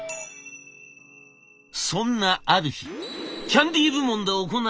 そんなある日キャンディー部門で行われた会議でのこと。